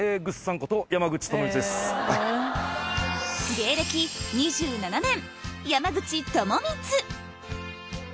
芸歴２７年山口智充